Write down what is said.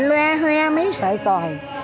loe hoe mấy sợi còi